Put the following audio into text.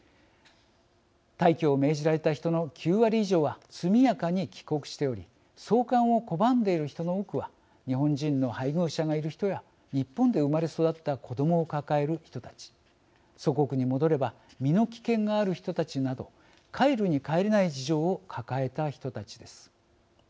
退去を命じられた人の９割以上は速やかに帰国しており送還を拒んでいる人の多くは日本人の配偶者がいる人や日本で生まれ育った子どもを抱える人たち祖国に戻れば身の危険がある人たちなど帰るに帰れない事情を抱えた人たちです。